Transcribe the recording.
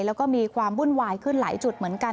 แล้วก็มีความวุ่นวายขึ้นหลายจุดเหมือนกัน